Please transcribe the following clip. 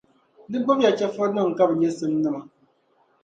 Di gbibi ya chεfurinim’ ka bɛ nyɛ simnima.